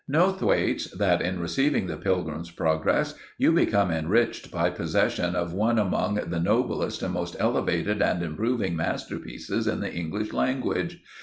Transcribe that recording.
Know, Thwaites, that in receiving the Pilgrim's Progress you become enriched by possession of one among the noblest and most elevated and improving masterpieces in the English language.